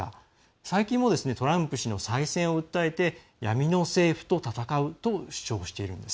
最近もトランプ氏の再選を訴えて闇の政府と闘うと主張しています。